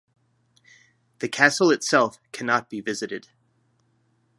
The castle itself cannot be visited.